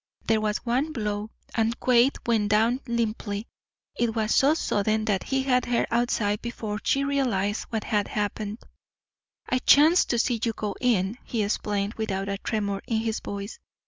There was one blow, and Quade went down limply. It was so sudden that he had her outside before she realized what had happened. "I chanced to see you go in," he explained, without a tremor in his voice.